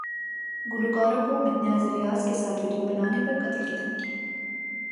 گلوکارہ کو متنازع لباس کے ساتھ ویڈیو بنانے پر قتل کی دھمکی